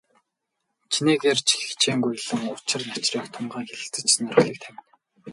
Чинээгээр хичээнгүйлэн учир начрыг тунгаан хэлэлцэж, сонирхлыг тавина.